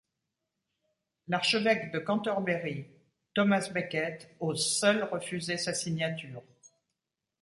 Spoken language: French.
L'archevêque de Cantorbéry Thomas Becket ose seul refuser sa signature.